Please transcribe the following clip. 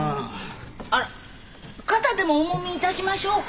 あらっ肩でもおもみ致しましょうか。